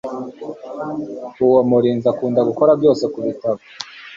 Uwo murinzi akunda gukora byose kubitabo